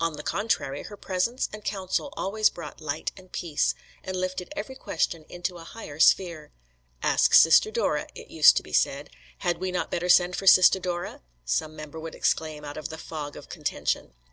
On the contrary, her presence and counsel always brought light and peace, and lifted every question into a higher sphere. "Ask Sister Dora," it used to be said. "Had we not better send for Sister Dora" some member would exclaim out of the fog of contention.